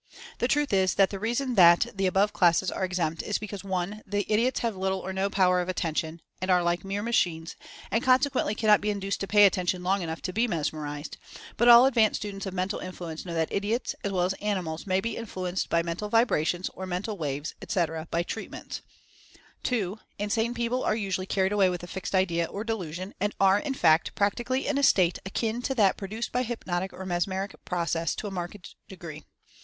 The truth is that the reason that the above classes are ex empt is because (i) the idiots have little or no power of attention, and are like mere machines, and conse quently cannot be induced to pay attention long enough to be mesmerized, but all advanced students of Mental Influence know that idiots, as well as animals may be influenced by Mental Vibrations, or Mental Waves, etc., by "treatments"; (2) insane people are usually carried away with a "fixed idea," or delusion, and are, in fact, practically in a state akin to that produced by hypnotic or mesmeric process to a marked degree.